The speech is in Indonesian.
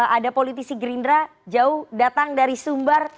ada politisi gerindra jauh datang dari sumbar